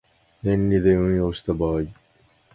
年利で運用した場合